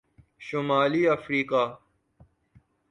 شمالی افریقہ